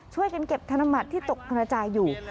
ช่วยกันเก็บธนบัตรที่ตกกระจายอยู่